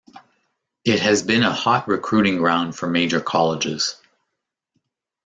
It has been a hot recruiting ground for major colleges.